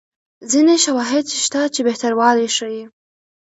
ځیني شواهد شته چې بهتروالی ښيي.